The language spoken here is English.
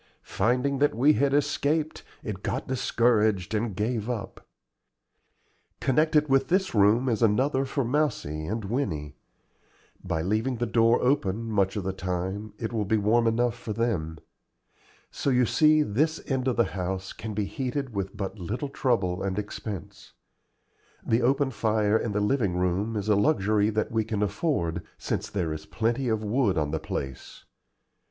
Finding that we had escaped, it got discouraged and gave up. Connected with this room is another for Mousie and Winnie. By leaving the door open much of the time it will be warm enough for them. So you see this end of the house can be heated with but little trouble and expense. The open fire in the living room is a luxury that we can afford, since there is plenty of wood on the place.